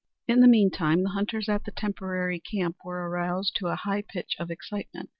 In the meantime, the hunters at the temporary camp were aroused to a high pitch of excitement.